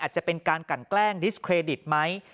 อาจจะเป็นการกันแกล้งดิสเครดิตไหม